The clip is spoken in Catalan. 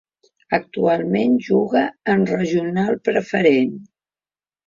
Actualment juga en Regional Preferent.